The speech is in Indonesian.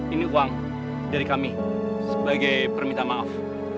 ini uang dari kami sebagai perminta maaf